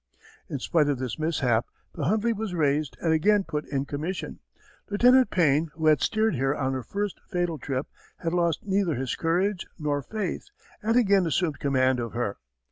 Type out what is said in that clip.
In spite of this mishap the Hundley was raised and again put in commission. Lieutenant Payne who had steered her on her first fatal trip had lost neither his courage nor faith and again assumed command of her.